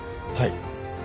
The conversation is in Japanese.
はい。